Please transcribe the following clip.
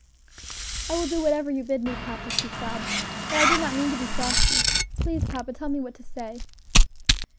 "I will do whatever you bid me, papa," she sobbed, "but I did not mean to be saucy. Please, papa, tell me what to say."